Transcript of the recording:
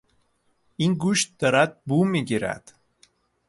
این گوشت دارد بو میگیرد.